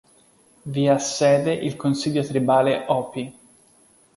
Vi ha sede il Consiglio tribale Hopi.